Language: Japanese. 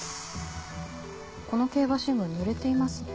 この競馬新聞ぬれていますね。